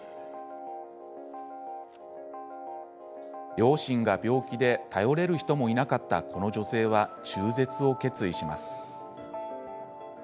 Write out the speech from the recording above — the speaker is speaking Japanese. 両親が病気で頼れる人もいなかったこの女性は中絶を決意します。